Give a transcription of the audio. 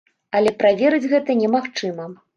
Але праверыць гэта немагчыма.